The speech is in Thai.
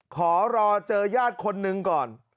ขอรอเจอญาติคนหนึ่งก่อน